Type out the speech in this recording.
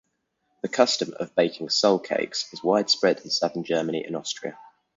The custom of baking soul-cakes is widespread in Southern Germany and Austria.